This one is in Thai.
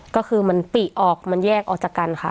ก็คือมันปีออกมันแยกออกจากกันค่ะ